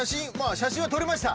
写真は撮りました。